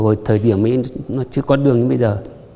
hồi thời điểm ấy nó chưa có đường như bây giờ